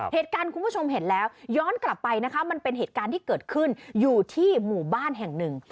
คุณผู้ชมเห็นแล้วย้อนกลับไปนะคะมันเป็นเหตุการณ์ที่เกิดขึ้นอยู่ที่หมู่บ้านแห่งหนึ่ง